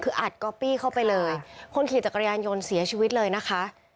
คืออัดก๊อปปี้เข้าไปเลยคนขี่จักรยานยนต์เสียชีวิตเลยนะคะ